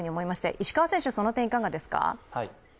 石川選手、その点いかがですか？